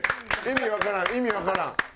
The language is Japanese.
意味わからん意味わからん。